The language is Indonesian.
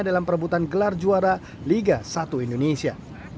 dalam perebutan gelar juara liga satu indonesia